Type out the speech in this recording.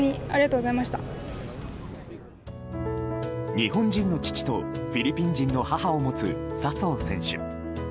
日本人の父とフィリピン人の母を持つ笹生選手。